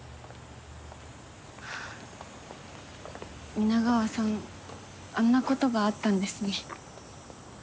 皆川さんあんなことがあったんですね。